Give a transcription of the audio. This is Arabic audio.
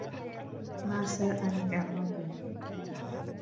ما ساءني إعراضه